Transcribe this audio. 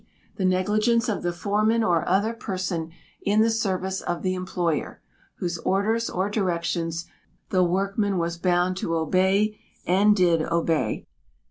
The negligence of the foreman or other person in the service of the employer, whose orders or directions the workman was bound to obey and did obey.